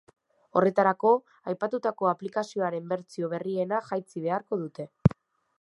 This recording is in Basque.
Horretarako, aipatutako aplikazioaren bertsio berriena jaitsi beharko dute.